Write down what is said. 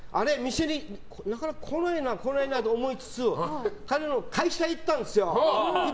店になかなか来ないなと思いつつ彼の会社に行ったんですよ。